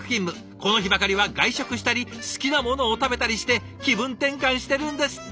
この日ばかりは外食したり好きなものを食べたりして気分転換してるんですって！